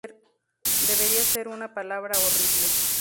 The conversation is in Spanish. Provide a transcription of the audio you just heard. Debería ser una palabra horrible.